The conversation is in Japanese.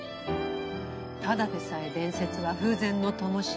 ただでさえ伝説は風前の灯。